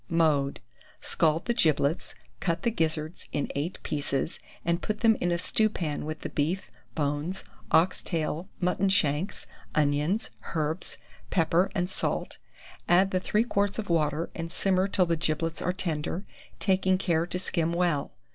Mode. Scald the giblets, cut the gizzards in 8 pieces, and put them in a stewpan with the beef, bones, ox tail, mutton shanks, onions, herbs, pepper, and salt; add the 3 quarts of water, and simmer till the giblets are tender, taking care to skim well.